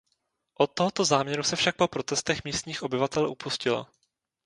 Od tohoto záměru se však po protestech místních obyvatel upustilo.